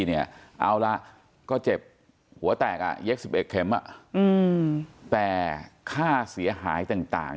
เอาล่ะก็เจ็บหัวแตกแต่ค่าเสียหายต่าง